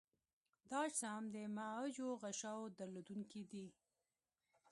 دا اجسام د معوجو غشاوو درلودونکي دي.